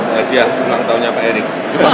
hadiah pulang tahunnya pak erik